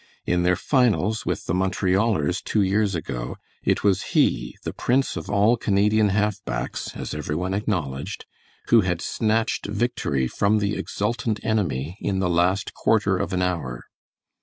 In their finals with the Montrealers two years ago, it was he, the prince of all Canadian half backs, as every one acknowledged, who had snatched victory from the exultant enemy in the last quarter of an hour.